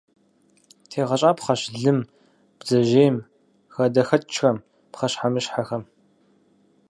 ТегъэщӀапхъэщ лым, бдзэжьейм, хадэхэкӀхэм, пхъэщхьэмыщхьэхэм.